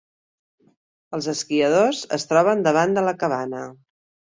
Els esquiadors es troben davant de la cabana.